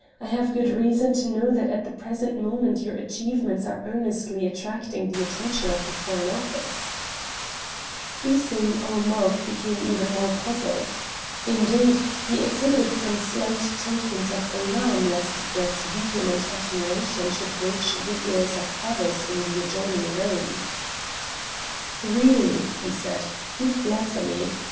I have good reason to know that at the present moment your achievements are earnestly attracting the attention of the Foreign Office." Hussein ul Mulk became even more puzzled. Indeed, he exhibited some slight tokens of alarm lest Brett's vehement admiration should reach the ears of others in the adjoining room. "Really," he said, "you flatter me.